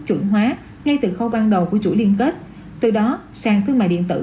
chuẩn hóa ngay từ khâu ban đầu của chuỗi liên kết từ đó sang thương mại điện tử